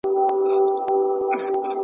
حکومتونه د بیان ازادۍ لپاره څه کوي؟